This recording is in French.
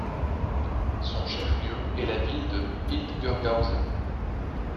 Son chef-lieu est la ville de Hildburghausen.